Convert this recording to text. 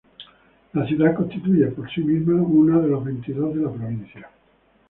La ciudad constituye por sí misma uno de los veintidós de la provincia.